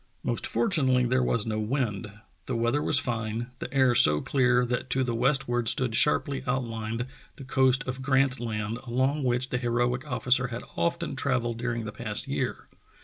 Most fortunately there was no wind, the weather was fine, the air so clear that to the westward stood sharply outlined the coast of Grant Land along which the heroic officer had often travelled during the past year.